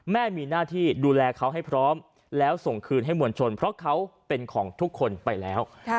แม่มีหน้าที่ดูแลเขาให้พร้อมแล้วส่งคืนให้มวลชนเพราะเขาเป็นของทุกคนไปแล้ว